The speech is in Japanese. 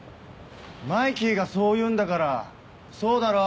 「マイキーがそう言うんだからそうだろ」